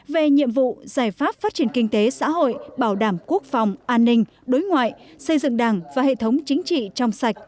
về nhiệm vụ giải pháp phát triển kinh tế xã hội bảo đảm quốc phòng an ninh đối ngoại xây dựng đảng và hệ thống chính trị trong sạch